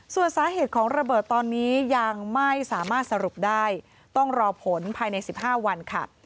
ส่วนสาเหตุของระเบิดตอนนี้ยังไม่สามารถสรุปได้ต้องรอผลภายใน๑๕วันค่ะ